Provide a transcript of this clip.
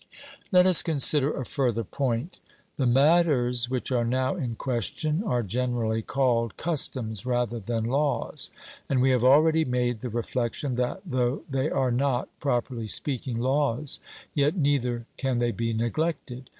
Let us consider a further point. The matters which are now in question are generally called customs rather than laws; and we have already made the reflection that, though they are not, properly speaking, laws, yet neither can they be neglected.